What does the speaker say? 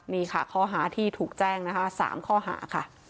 นี่ค่ะข้อหาที่ถูกแจ้งนะคะ๓ข้อหาค่ะ